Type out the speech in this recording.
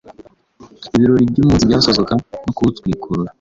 ibirori by’umunsi byasozwaga no kumutwikurura,